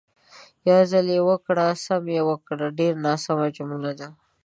"یو ځل یې وکړه، سم یې وکړه" ډېره ناسمه جمله ده.